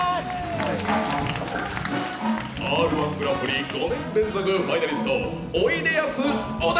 「Ｒ−１グランプリ」５年連続ファイナリスト、おいでやす小田。